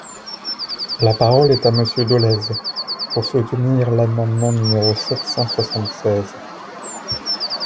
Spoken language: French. La parole est à Monsieur Dolez, pour soutenir l’amendement numéro sept cent soixante-seize.